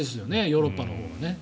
ヨーロッパのほうが。